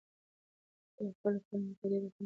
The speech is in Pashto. ده خپله پانګه په ډېرې اسانۍ سره انتقال کړه.